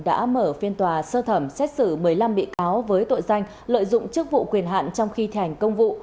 đã mở phiên tòa sơ thẩm xét xử một mươi năm bị cáo với tội danh lợi dụng chức vụ quyền hạn trong khi thi hành công vụ